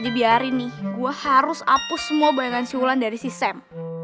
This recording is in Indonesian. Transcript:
dibiarin nih gua harus hapus semua bayangan siulan dari sistem